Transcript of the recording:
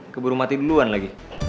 keburu mati duluan lagi